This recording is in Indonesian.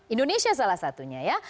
indonesia salah satunya ya